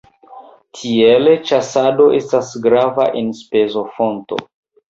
Tiele ĉasado estas grava enspezofonto.